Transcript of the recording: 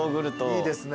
いいですね。